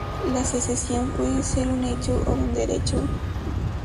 La secesión puede ser un hecho o un derecho.